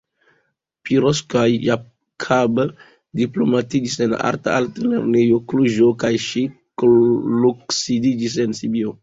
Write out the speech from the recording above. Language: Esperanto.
Piroska Jakab diplomitiĝis en Arta Altlernejo Kluĵo kaj ŝi loksidiĝis en Sibio.